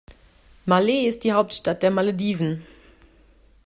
Malé ist die Hauptstadt der Malediven.